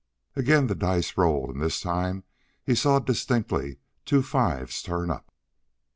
Again the dice rolled, and this time he saw distinctly two fives turn up.